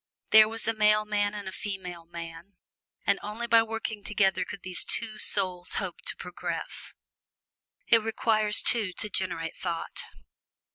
There was the male man and the female man, and only by working together could these two souls hope to progress. It requires two to generate thought.